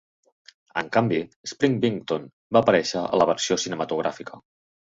En canvi, Spring Byington va aparèixer a la versió cinematogràfica.